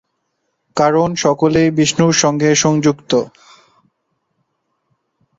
কারণ সকলেই বিষ্ণুর সঙ্গে সংযুক্ত।